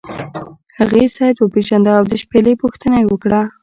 هغې سید وپیژنده او د شپیلۍ پوښتنه یې وکړه.